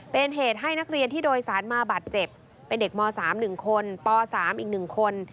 เป็นเหตุให้นักเรียนที่โดยสารมาบาดเจ็บเป็นเด็กม๓๑คนป๓อีก๑คน